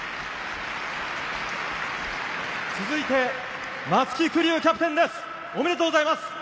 続いて松木玖生キャプテンです。